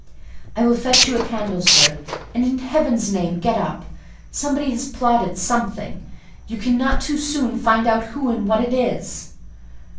"I will fetch you a candle, sir; and, in Heaven's name, get up. Somebody has plotted something: you cannot too soon find out who and what it is."